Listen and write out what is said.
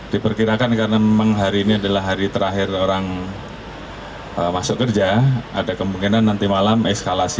diperkirakan karena memang hari ini adalah hari terakhir orang masuk kerja ada kemungkinan nanti malam eskalasi